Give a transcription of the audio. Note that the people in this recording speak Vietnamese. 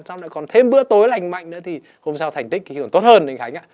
xong lại còn thêm bữa tối lành mạnh nữa thì hôm sau thành tích còn tốt hơn anh khánh ạ